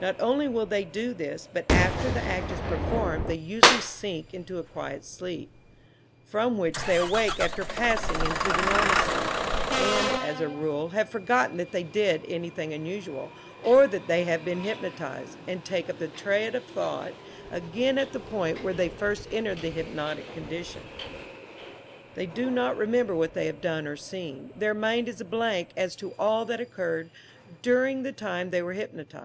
Not only will they do this, but after the act is performed they usually sink into a quiet sleep, from which they awake after passing into the normal sleep, and, as a rule, have forgotten that they did anything unusual, or that they have been hypnotized, and take up the thread of thought again at the point where they first entered the hypnotic condition. They do not remember what they have done or seen. Their mind is a blank as to all that occurred during the time they were hypnotized.